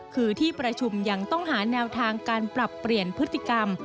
คือที่ประชุมยังต้องหาแนวทางการปรับเปลี่ยนพฤติกรรม